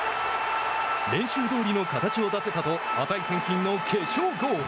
練習どおりの形を出せたと値千金の決勝ゴール。